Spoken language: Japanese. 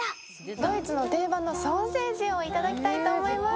ドイツの定番のソーセージをいただきたいと思います。